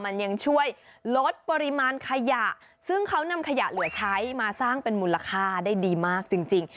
มันยังช่วยลดปริมาณขยะซึ่งเขานำขยะเหลือใช้มาสร้างเป็นมูลค่าได้ดีมากจริง